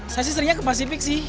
saya sih seringnya ke pasifik sih